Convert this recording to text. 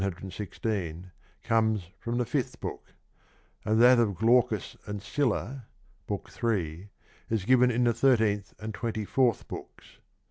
916) comes from the fifth book ; and that of Glaucus and Scylla (Book III.) is given in the thirteenth and twenty fourth books.